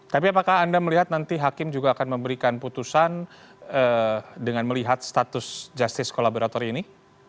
tapi apakah anda melihat nanti hakim juga akan memberikan putusan dengan melihat status justice kolaborator ini